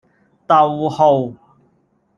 逗號